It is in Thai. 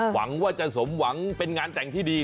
หวังว่าจะสมหวังเป็นงานแต่งที่ดี